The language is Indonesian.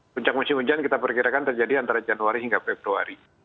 puncak musim hujan kita perkirakan terjadi antara januari hingga februari